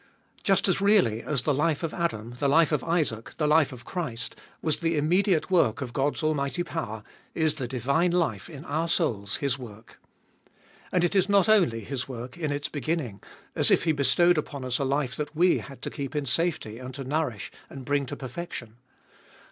Just as really as the life of Adam, the life of Isaac, the life of Christ, was the immediate work of God's almighty power, is the divine life in our souls His work. And it is not only His work in its beginning, as if He bestowed upon us a life that we had to keep in safety, and to nourish and bring to perfection.